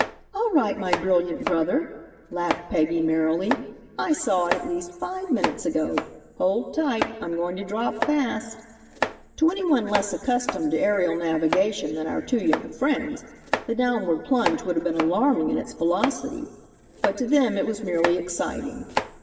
"All right, my brilliant brother," laughed Peggy merrily. "I saw it at least five minutes ago. Hold tight, I'm going to drop fast." To any one less accustomed to aerial navigation than our two young friends, the downward plunge would have been alarming in its velocity. But to them it was merely exciting.